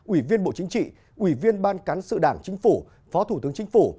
ủy viên bộ chính trị ủy viên ban cán sự đảng chính phủ phó thủ tướng chính phủ